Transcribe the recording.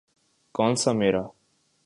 کون سا امیر۔